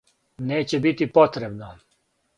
Неће бити потребно.